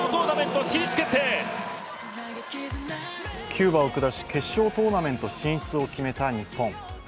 キューバを下し決勝トーナメント進出を決めた日本。